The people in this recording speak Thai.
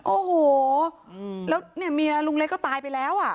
โอ้โหแล้วเนี่ยเมียลุงเล็กก็ตายไปแล้วอ่ะ